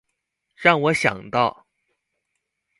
讓我想到